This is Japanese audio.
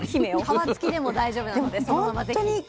皮付きでも大丈夫なのでそのままぜひ。